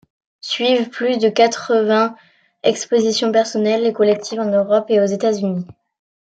Suivent plus de quatre-vingt expositions personnelles et collectives en Europe et aux États-Unis.